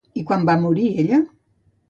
I quan va morir ella?